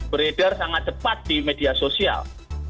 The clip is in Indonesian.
beredar sangat cepat di media sosial